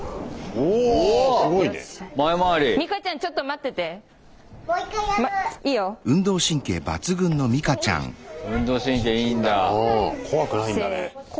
おお怖くないんだね。